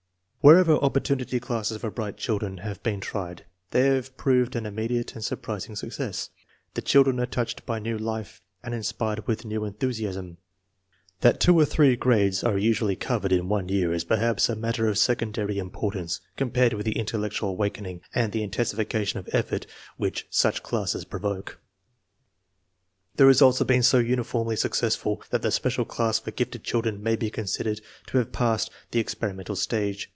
Wherever " opportunity classes " for bright children have been tried they have proved an immediate and surprising success. The children are touched by new life and inspired with new enthusiasm. That two or three grades are usually covered in one year is perhaps a matter of secondary importance compared with the intellectual awakening and the intensification of effort which suc^cKsses provoke^ The results have been FORTY ONE SUPERIOR CHILDREN 265 so uniformly successful that the special class for gifted children may be considered to have passed the experi mental stage.